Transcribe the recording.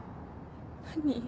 何？